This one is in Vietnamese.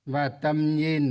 và tầm nhìn